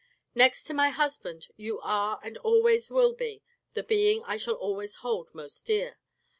Next to my husband, you are and always will be the being I shall always hold most dear.